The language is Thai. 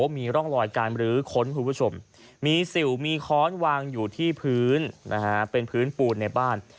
มีร่องรอยการบรื้อค้นคุณผู้ชมมีสิวมีค้อนวางอยู่ที่พื้นเป็นพื้นปูนในบ้าน